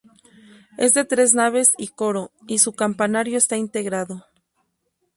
Es de tres naves y coro y su campanario está integrado.